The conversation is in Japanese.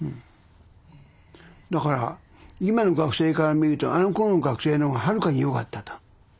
だから今の学生からみるとあのころの学生の方がはるかに良かったと。